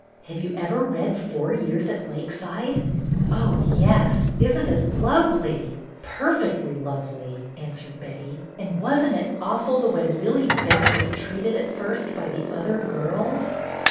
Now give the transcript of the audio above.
Have you ever read ' Four Years at Lakeside'? "" Oh, yes. Is n't it lovely !"" Perfectly lovely," answered Betty. " And was n't it awful the way Lillie Bent was treated at first by the other girls